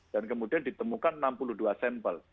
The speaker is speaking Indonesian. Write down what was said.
dan kemudian ditemukan enam puluh dua sampel